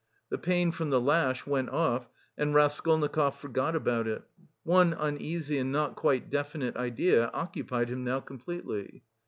The pain from the lash went off, and Raskolnikov forgot about it; one uneasy and not quite definite idea occupied him now completely.